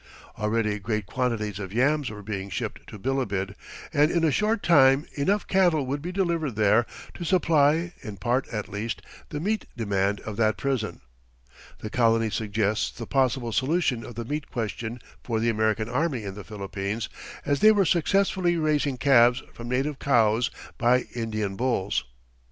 Already great quantities of yams were being shipped to Bilibid, and in a short time enough cattle would be delivered there to supply, in part at least, the meat demand of that prison. The colony suggests the possible solution of the meat question for the American army in the Philippines, as they were successfully raising calves from native cows by Indian bulls.